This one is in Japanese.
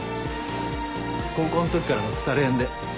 高校のときからの腐れ縁で。